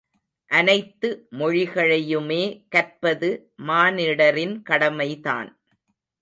அனைத்து மொழிகளையுமே கற்பது மானிடரின் கடமைதான்!